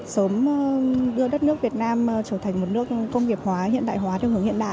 sớm đưa đất nước việt nam trở thành